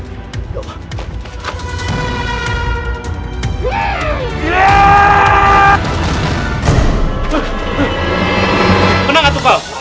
kenapa gak tukar